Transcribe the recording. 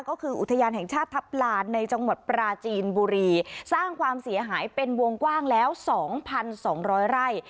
ก็คืออุทยานแห่งชาติทัพลานในจังหวัดปราจีนบุรีสร้างความเสียหายเป็นวงกว้างแล้ว๒๒๐๐ไร่